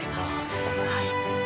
すばらしい。